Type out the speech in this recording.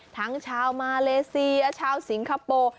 ทั้งชาวมาเลเซียชาวสิงคโปร์